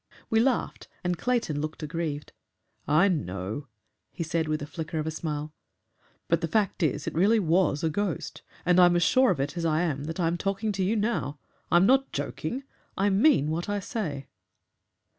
We laughed, and Clayton looked aggrieved. "I know," he said, with the flicker of a smile, "but the fact is it really WAS a ghost, and I'm as sure of it as I am that I am talking to you now. I'm not joking. I mean what I say."